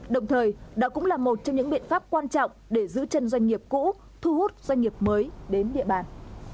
đồng thời đó cũng là một trong những biện pháp quan trọng để giữ chân doanh nghiệp cũ thu hút doanh nghiệp mới đến địa bàn